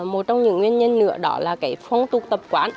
một trong những nguyên nhân nữa đó là phong tục tập quán